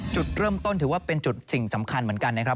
จุดเริ่มต้นถือว่าเป็นจุดสิ่งสำคัญเหมือนกันนะครับ